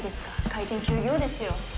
開店休業ですよ。